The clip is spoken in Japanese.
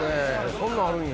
そんなんあるんや。